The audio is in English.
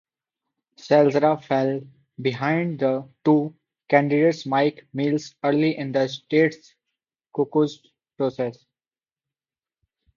Salazar fell behind to candidate Mike Miles early in the state's caucus process.